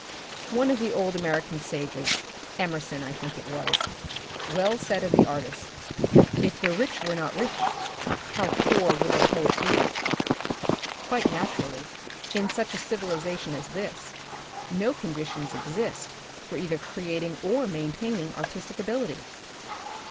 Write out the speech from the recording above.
One of the old American sages, Emerson I think it was, well said of the artist, If the rich were not rich, how poor would the poet be !*' Quite naturally, in such a civilization as this, no conditions exist for either creating or main taining artistic ability.